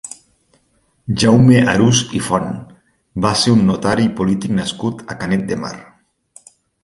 Jaume Arús i Font va ser un notari i polític nascut a Canet de Mar.